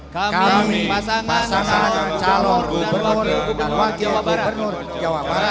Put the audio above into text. kami pasangan calon dan wakil gubernur jawa barat